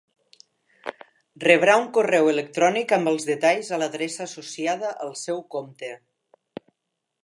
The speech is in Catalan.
Rebrà un correu electrònic amb els detalls a l'adreça associada al seu compte.